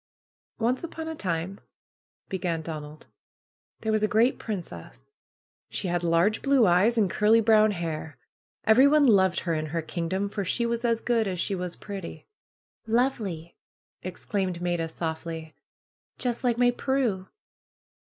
^^Once upon a time," began Donald, ^Hhere was a great princess. She had large blue eyes and curly brown hair. Everyone loved her in her kingdom, for she was as good as she was pretty." 202 PRUE'S GARDENER ^^Lovely!" exclaimed Maida softly. ^^Just like my Pnie."